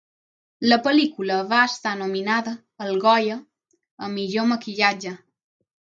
La pel·lícula va estar nominada al Goya a millor maquillatge.